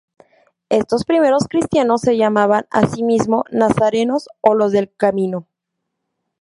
Estos primeros cristianos se llaman a sí mismos "Nazarenos" o "los del Camino".